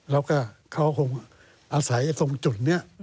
แล้วก็เขาคงอาศัยตรงจุดนี้